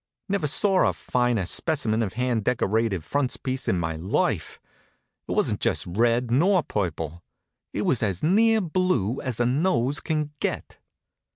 Never saw a finer specimen of hand decorated frontispiece in my life. It wasn't just red, nor purple. It was as near blue as a nose can get.